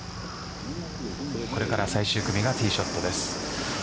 これから最終組がティーショットです。